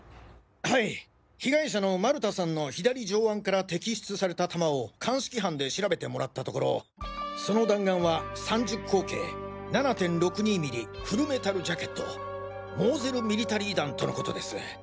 はい被害者の丸田さんの左上腕から摘出された弾を鑑識班で調べてもらったところその弾丸は３０口径７．６２ｍｍフルメタルジャケットモーゼルミリタリー弾とのことです！